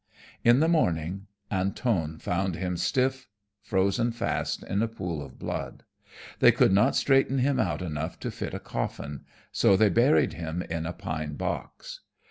In the morning Antone found him stiff, frozen fast in a pool of blood. They could not straighten him out enough to fit a coffin, so they buried him in a pine box.